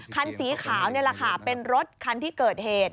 คันสีขาวนี่แหละค่ะเป็นรถคันที่เกิดเหตุ